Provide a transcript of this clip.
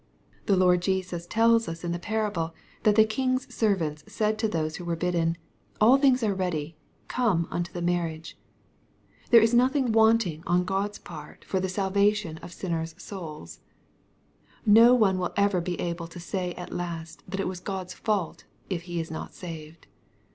The Lord Jesas tells us in the parable, that the king's servants said to those who were bidden, " all things are ready : come unto the marriage." There is nothing wanting on God's part for th» ff I MATTHEW, CHAP. TJifl. 281 salvation of sinners' souls. C^'o one will er^i 06 able to fiay at last that it was God's fault, if he is not saved.